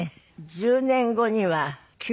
１０年後には９６歳で。